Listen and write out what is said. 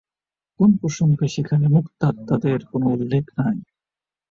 কোন প্রসঙ্গে সেখানে মুক্তাত্মাদের কোন উল্লেখ নাই।